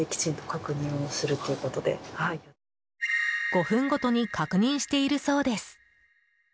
５分ごとに確認しているそうです。